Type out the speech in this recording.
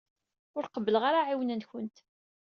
Ur qebbleɣ ara aɛiwen-nkent.